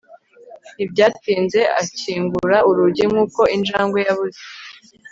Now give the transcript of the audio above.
ntibyatinze akingura urugi nkuko injangwe yabuze